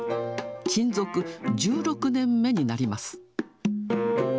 勤続１６年目になります。